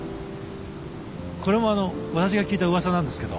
これも私が聞いた噂なんですけど。